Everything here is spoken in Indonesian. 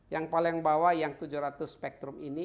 yang paling bawah yang tujuh ratus spektrum ini